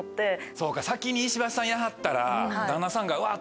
そうか先に石橋さんいはったら旦那さんがうわっ！